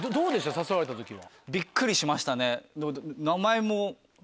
誘われた時は。